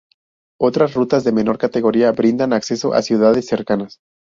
Otras rutas, de menor categoría, brindan acceso a ciudades cercanas.